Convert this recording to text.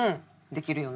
できるよね。